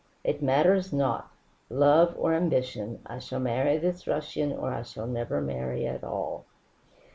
It matters not. Love or ambition, I shall marry this Russian or I shall never marry at all."